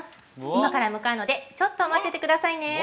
今から向かうので、ちょっと待っててくださいねー。